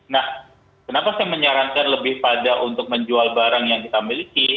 nah kenapa saya menyarankan lebih pada untuk menjual barang yang kita miliki